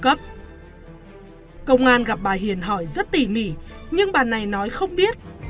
công an gặp bà hiền hỏi rất tỉ mỉ nhưng bà này nói không biết